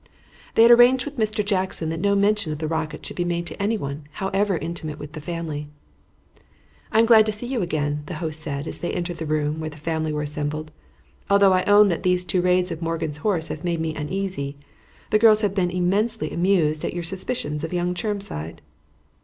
They had arranged with Mr. Jackson that no mention of the rocket should be made to anyone, however intimate with the family. "I am glad to see you again," the host said, as they entered the room where the family were assembled, "although I own that these two raids of Morgan's horse have made me uneasy. The girls have been immensely amused at your suspicions of young Chermside."